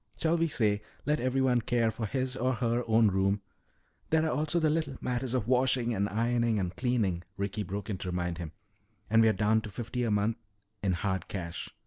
Shall we say, let everyone care for his or her own room " "There are also the little matters of washing, and ironing, and cleaning," Ricky broke in to remind him. "And we're down to fifty a month in hard cash.